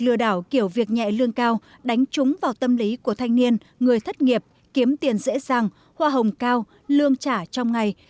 lừa đảo kiểu việc nhẹ lương cao đánh trúng vào tâm lý của thanh niên người thất nghiệp kiếm tiền dễ dàng hoa hồng cao lương trả trong ngày